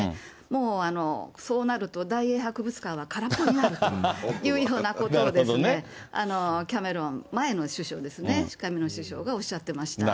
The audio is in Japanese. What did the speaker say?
もう、そうなると、大英博物館は空っぽになるというようなことでですね、キャメロン、前の首相ですね、キャメロン首相がおっしゃってました。